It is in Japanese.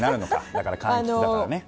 だからかんきつだからね。